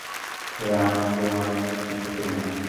প্রেম আমরা প্রত্যক্ষ করি মাত্র।